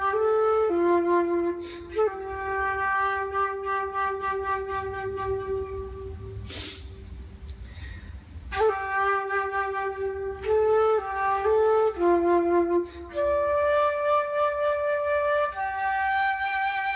โปรดติดตามต่อไป